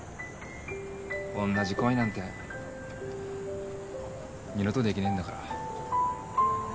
おんなじ恋なんて二度とできねえんだから。